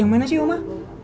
yang mana sih oma